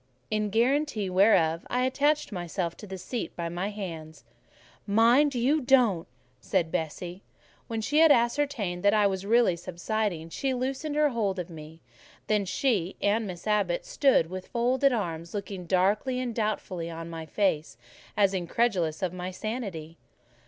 In guarantee whereof, I attached myself to my seat by my hands. "Mind you don't," said Bessie; and when she had ascertained that I was really subsiding, she loosened her hold of me; then she and Miss Abbot stood with folded arms, looking darkly and doubtfully on my face, as incredulous of my sanity.